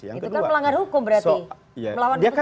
itu kan melanggar hukum berarti